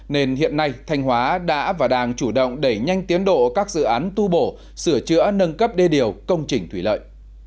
nên hiện nay thanh hóa đã và đang chủ động đẩy nhanh tiến độ các dự án tu bổ sửa chữa nâng cấp đê điều công trình thủy lợi